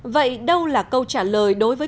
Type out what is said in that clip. vậy đâu là câu trả lời